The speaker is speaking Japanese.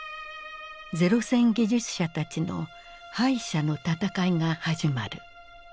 零戦技術者たちの敗者の戦いが始まる。